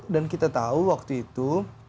dan kita tahu waktu itu